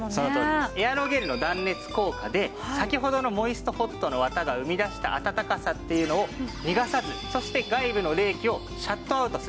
エアロゲルの断熱効果で先ほどのモイストホットの綿が生み出したあたたかさっていうのを逃がさずそして外部の冷気をシャットアウトする。